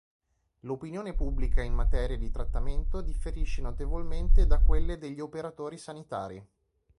L'opinione pubblica in materia di trattamento differisce notevolmente da quelle degli operatori sanitari.